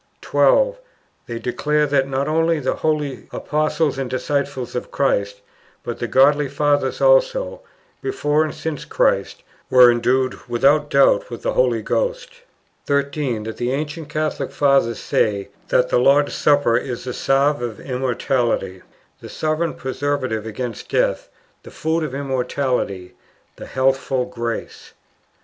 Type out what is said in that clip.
12. They declare that, not only the holy Apostles and disciples of Christ, but the godly Fathers also, before and since Christ, were endued without doubt with the Holy Ghost. 13. That the ancient Catholic Fathers say that the "Lord's Supper" is the salve of immortality, the sovereign preservative against death, the food of immortality, the healthful grace.